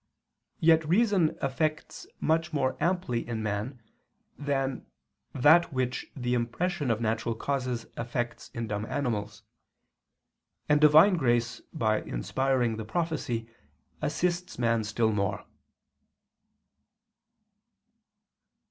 Yet reason effects much more amply in man, that which the impression of natural causes effects in dumb animals; and Divine grace by inspiring the prophecy assists man still more.